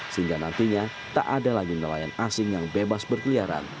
sehingga nantinya tak ada lagi nelayan asing yang bebas berkeliaran